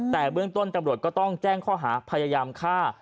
แต่เบื้องต้นตำรวจก็ต้องแจ้งข้อหาพยายามฆ่า